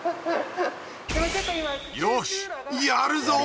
よしやるぞ！